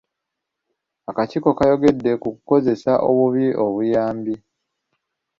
Akakiiko kaayogedde ku kukozesa obubi obuyambi.